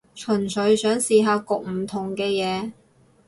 純粹想試下焗唔同嘅嘢